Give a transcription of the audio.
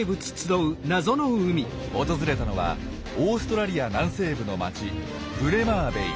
訪れたのはオーストラリア南西部の町ブレマーベイ。